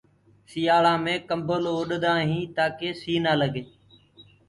سيآݪآ مي ڪمبل اُڏآ هينٚ تآڪي سي نآ لگي۔